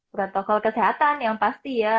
protokol kesehatan yang pasti ya